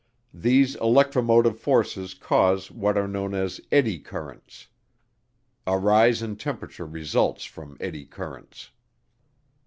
These electromotive forces cause what are known as "eddy currents." A rise in temperature results from "eddy currents."